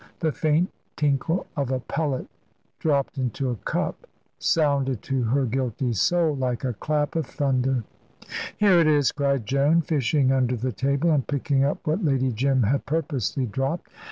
The faint tinkle of a pellet dropped into a cup sounded to her guilty soul like a clap of thunder. "Here it is," cried Joan, fishing under the table, and picking up what Lady Jim had purposely dropped.